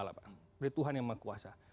dari tuhan yang maha kuasa